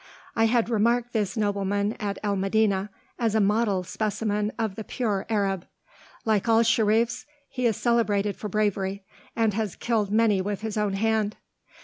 I had remarked this nobleman at El Medinah as a model specimen of the pure Arab. Like all Sherifs, he is celebrated for bravery, and has killed many with his own hand.